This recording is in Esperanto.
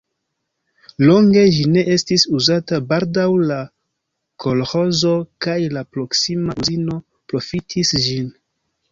Longe ĝi ne estis uzata, baldaŭ la kolĥozo kaj la proksima uzino profitis ĝin.